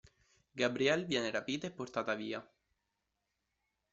Gabrielle viene rapita e portata via.